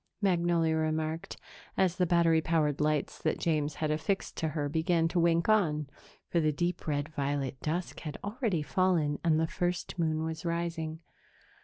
Magnolia remarked, as the battery powered lights that James had affixed to her began to wink on, for the deep red violet dusk had already fallen and the first moon was rising.